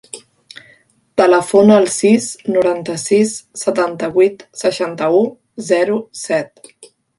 Telefona al sis, noranta-sis, setanta-vuit, seixanta-u, zero, set.